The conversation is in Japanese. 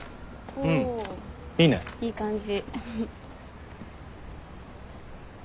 おいい感じ。